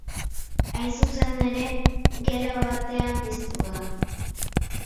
Hain zuzen ere, gela batean piztu da.